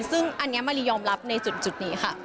ซึ่งอันนี้มารียอมรับในจุดนี้ค่ะ